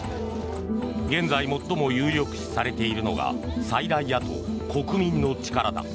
現在最も有力視されているのが最大野党、国民の力だ。